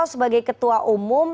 sebagai ketua umum